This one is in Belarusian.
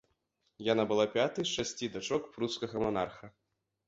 Яна была пятай з шасці дачок прускага манарха.